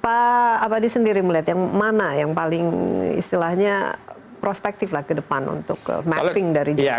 pak abadi sendiri melihat yang mana yang paling istilahnya prospektif lah ke depan untuk mapping dari jakarta